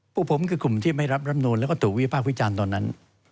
พวกผมคือกลุ่มที่ไม่รับรำนูนแล้วก็ถูกวิพากษ์วิจารณ์ตอนนั้น